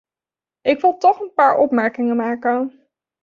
Ik wil toch een paar opmerkingen maken.